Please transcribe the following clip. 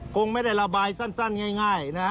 คงไม่ได้ระบายสั้นง่ายนะ